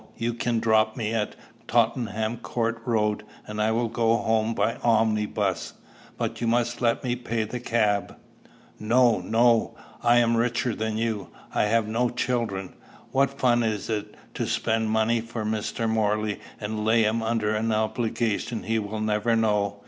You can drop me at Tottenham Court Road, and I will go home by omnibus. But you must let me pay the cab." "No, no; I am richer than you: I have no children. What fun it is to spend money for Mr. Morley, and lay him under an obligation he will never know!"